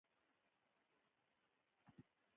زه همداوس ډوډۍ خورم